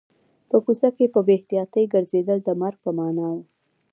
په کوڅه کې په بې احتیاطۍ ګرځېدل د مرګ په معنا و